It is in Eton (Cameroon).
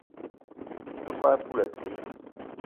Me te kwal poulassi